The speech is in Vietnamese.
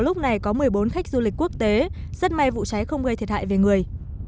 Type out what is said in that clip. lúc này có một mươi bốn khách du lịch quốc tế rất may vụ cháy không gây thiệt hại về người